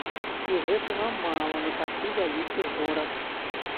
І гэтага мала на такі вялікі горад.